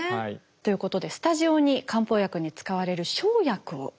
ということでスタジオに漢方薬に使われる生薬を用意しました。